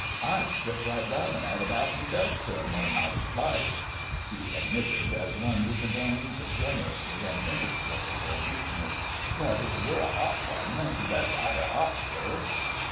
"I strip right down an' 'ad a bath meself, sir, mornin' I was spliced," he admitted, as one who condones generously an inexplicable weakness, "but it were a 'ot one. You'd best 'ave it 'ot, sir!"